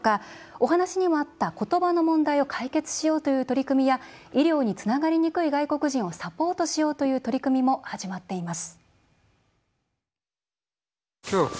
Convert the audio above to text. お話にもあった言葉の問題を解決しようという取り組みや医療につながりにくい外国人をサポートしようという取り組みも始まっています。